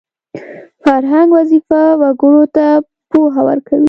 فرهنګ وظیفه وګړو ته پوهه ورکوي